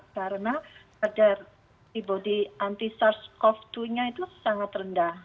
karena kadar antibody anti sars cov dua itu sangat rendah